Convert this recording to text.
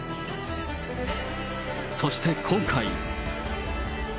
そして、今回。